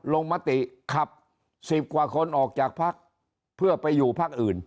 มติขับ๑๐กว่าคนออกจากพักเพื่อไปอยู่พักอื่น